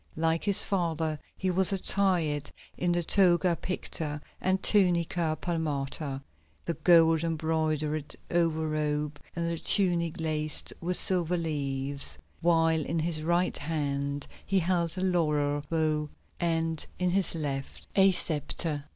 Like his father he was attired in the toga picta and tunica palmata, the gold embroidered over robe and the tunic laced with silver leaves, while in his right hand he held a laurel bough, and in his left a sceptre.